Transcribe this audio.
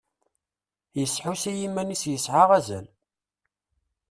Yesḥus i yiman-is yesɛa azal.